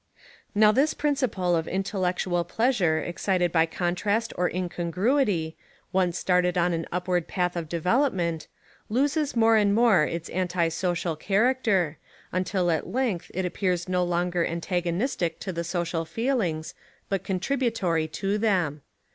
Now this principle of intellectual pleasure excited by contrast or incongruity, once started on an upward path of development, loses more and more its anti social character, until at length it appears no longer antagonistic to the social feelings, but contributory to them.